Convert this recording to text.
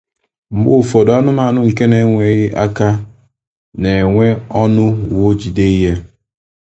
Mgbe ufodi, anumanu nke enweghi aka ne nwe onu wo jide he.